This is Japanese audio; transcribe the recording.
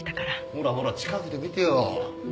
ほらほら近くで見てよ。